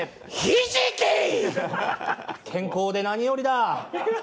健康で何よりだ。